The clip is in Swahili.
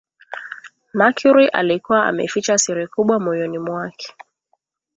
mercury alikuwa ameficha siri kubwa moyoni mwake